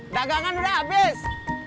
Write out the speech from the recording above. dagangan udah abis